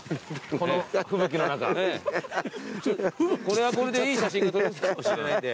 これはこれでいい写真が撮れるかもしれないんで。